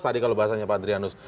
tadi kalau bahasanya pak adrianus